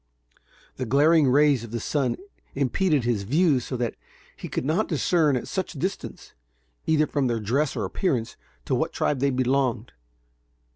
The glaring rays of the sun impeded his view, so that he could not discern at such a distance, either from their dress or appearance, to what tribe they belonged.